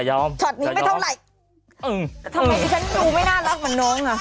ทำไมฉันดูไม่น่ารักเหมือนน้อง